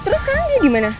terus sekarang dia gimana